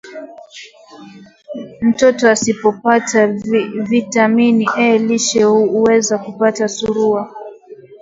mtoto asipopata vita mini A lishe huweza kupata surua